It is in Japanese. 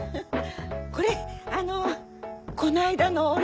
これあのこの間のお礼。